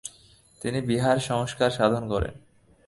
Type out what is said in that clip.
তিনি বিহারের সংস্কার সাধন করেন।